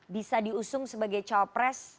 bisa diusung sebagai cawapres